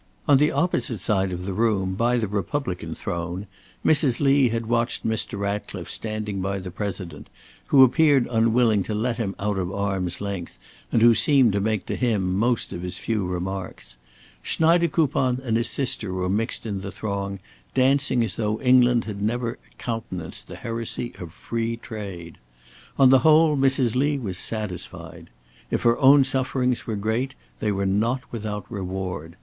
On the opposite side of the room, by the republican throne, Mrs. Lee had watched Mr. Ratcliffe standing by the President, who appeared unwilling to let him out of arm's length and who seemed to make to him most of his few remarks. Schneidekoupon and his sister were mixed in the throng, dancing as though England had never countenanced the heresy of free trade. On the whole, Mrs. Lee was satisfied. If her own sufferings were great, they were not without reward.